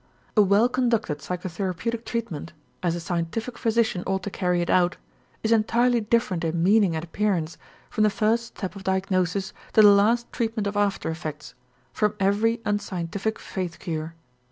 A well conducted psychotherapeutic treatment as a scientific physician ought to carry it out, is entirely different in meaning and appearance, from the first step of diagnosis to the last treatment of after effects, from every unscientific faith cure.